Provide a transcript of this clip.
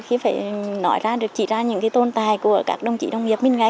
khi phải nói ra được chỉ ra những cái tồn tại của các đồng chí đồng nghiệp mình ngay